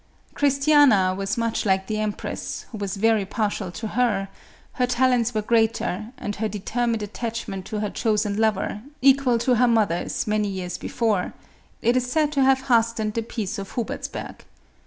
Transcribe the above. Christiana was much like the empress, who was very partial to her; her talents were greater, and her determined attachment to her chosen lover, equal to her mother's, many years before ; it is said to have hastened the peace of Hu bertsberg.